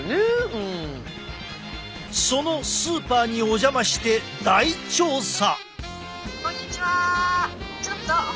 そのスーパーにお邪魔して大調査！